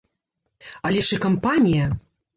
Але ж і кампанія!